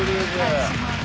お願いします